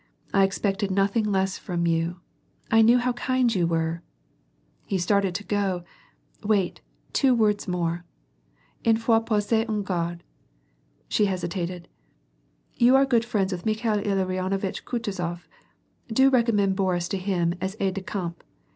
I expected nothing less from you — I knew how kind you were. — He started to go, Wait, two words more — une fats passe aux gardes "— she hesitated. '' You are good friends with Mikhail Ilarionovitch Kutuzof, do recommend Boris to him as aide de camp.